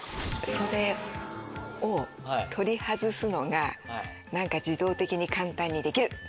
それを取り外すのがなんか自動的に簡単にできる！